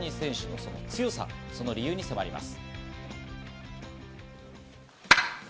その強さ、その理由に迫ります。